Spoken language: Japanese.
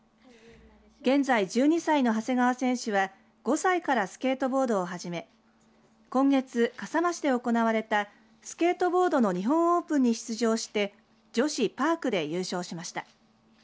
現在１２歳の長谷川選手は５歳からスケートボードを始め今月、笠間市で行われたスケートボードの日本オープンに出場して女子パークで優勝しました。